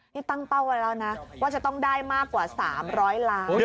นี่ตั้งเป้าไว้แล้วนะว่าจะต้องได้มากกว่า๓๐๐ล้าน